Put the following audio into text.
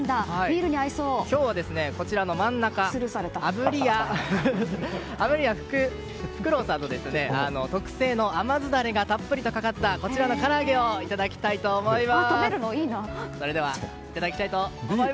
今日はこちらの真ん中炙りや福朗さんの特製の甘酢ダレがたっぷりかかった、から揚げをいただきたいと思います。